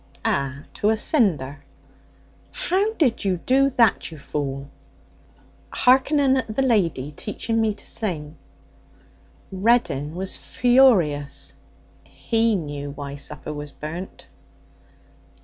'Ah, to a cinder.' 'How did you do that, you fool?' 'Harkening at the lady teaching me to sing.' Reddin was furious. He knew why supper was burnt.